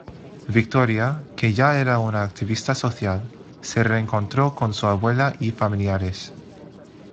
Victoria, que ya era una activista social, se reencontró con su abuela y familiares.